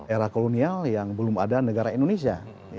era kolonial yang belum ada negara indonesia